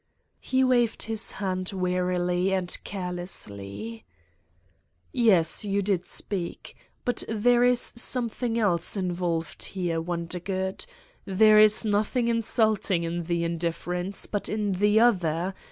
" He waved his hand wearily and carelessly. "Yes, you did speak. But there is something else involved here, Wondergood. There is noth ing insulting in the indifference, but in the other